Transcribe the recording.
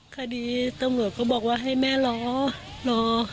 คดีตำรวจเขาบอกว่าให้แม่รอรอ